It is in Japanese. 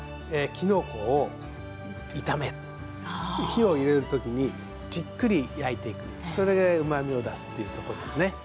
きのこを炒め火を入れる時にじっくり焼いていくそれでうまみを出すというところですね。